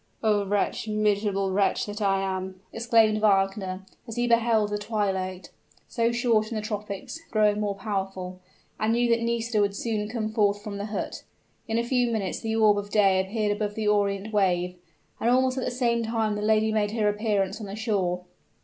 "Oh, wretch, miserable wretch that I am!" exclaimed Wagner, as he beheld the twilight so short in the tropics growing more powerful, and knew that Nisida would soon come forth from the hut. In a few minutes the orb of day appeared above the Orient wave and almost at the same time the lady made her appearance on the shore.